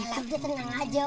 ya helah tenang aja